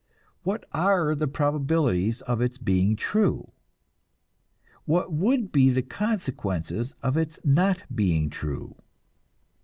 What are the probabilities of its being true? What would be the consequences of its not being true?